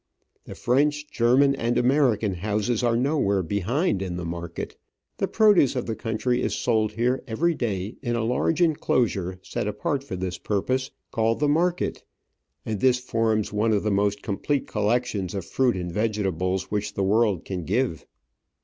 The French, German, and American houses are nowhere behind in the market. The produce of the country is sold here every day in a large enclosure set apart for this pur pose, called the Market, and this forms one of the most complete collections of fruit and vegetables which J Digitized by VjOOQ IC 130 Travels and Adventures the World can give.